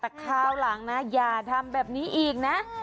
แต่คราวหลังนะอย่าทำแบบนี้อีกนะ